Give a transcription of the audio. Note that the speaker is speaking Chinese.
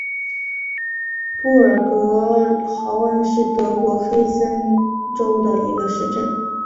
布尔格豪恩是德国黑森州的一个市镇。